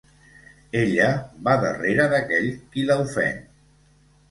Ella va darrere d'aquell qui la ofèn.